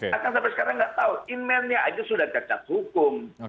nah kan sampai sekarang nggak tahu inmennya aja sudah cacat hukum